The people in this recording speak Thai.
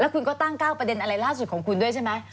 คุณก็ตั้ง๙ประเด็นอะไรล่าสุดของคุณด้วยใช่ไหม